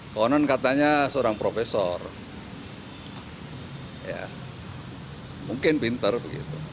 konon katanya seorang profesor mungkin pinter begitu